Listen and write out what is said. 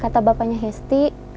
kata bapaknya hesti